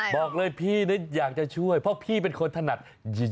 บอกเลยพี่อยากจะช่วยเพราะพี่เป็นคนถนัด